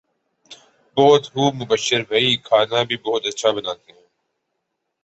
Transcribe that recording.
بہت خوب مبشر بھائی کھانا بھی بہت اچھا بناتے ہیں